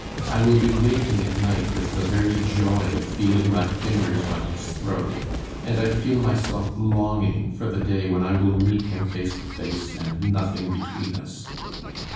I will be waking at night with the very joy of feeling my fingers on his throat, and I feel myself longing for the day when I will meet him face to face and nothing between us.